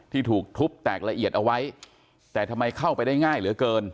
ถูกทุบแตกละเอียดเอาไว้แต่ทำไมเข้าไปได้ง่ายเหลือเกิน